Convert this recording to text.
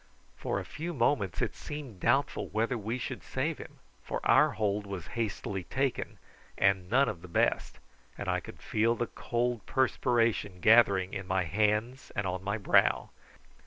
For a few moments it seemed doubtful whether we should save him, for our hold was hastily taken and none of the best, and I felt the cold perspiration gathering in my hands and on my brow.